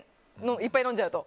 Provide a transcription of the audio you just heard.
いっぱい飲んじゃうと。